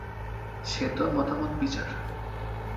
সে তো মতামত-বিচার।